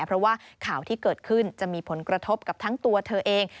เพราะว่าข่าวที่เกิดขึ้นจะมีผลกระทบกับทั้งตัวเธอเอง